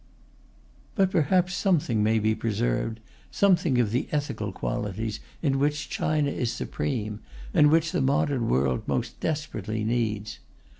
But perhaps something may be preserved, something of the ethical qualities in which China is supreme, and which the modern world most desperately needs.